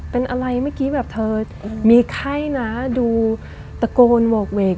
เป็นอะไรเมื่อกี้แบบเธอมีไข้นะดูตะโกนโหกเวก